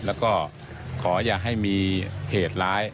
แล้วก็ขออย่าให้มีเหตุร้าย